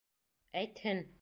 Әйтһен.